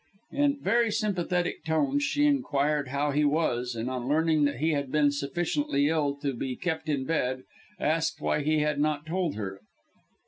In very sympathetic tones she inquired how he was, and on learning that he had been sufficiently ill to be kept in bed, asked why he had not told her.